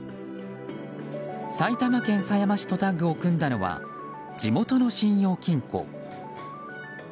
埼玉県狭山市とタッグを組んだのは地元の信用金庫。